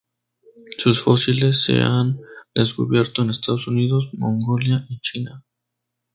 Sus fósiles se han descubierto en Estados Unidos, Mongolia y China.